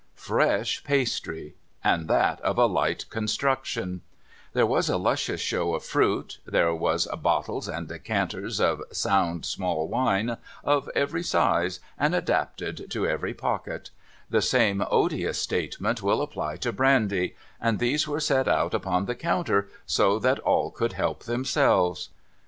fresh pastry, and that of a light construction ; there was a luscious show of fruit ; there was bottles and decanters of sound small wine, of every size, and adapted to every pocket ; the same odious statement will apply to brandy ; and these were set out upon the counter so that all could help themselves.'